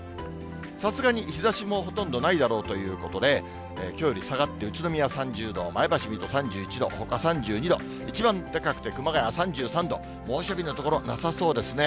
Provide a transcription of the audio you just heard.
さすがに日ざしもほとんどないだろうということで、きょうより下がって、宇都宮３０度、前橋、水戸３１度、ほか３２度、一番高くて熊谷３３度、猛暑日の所、なさそうですね。